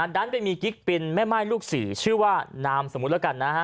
ดันไปมีกิ๊กปินแม่ม่ายลูกสี่ชื่อว่านามสมมุติแล้วกันนะฮะ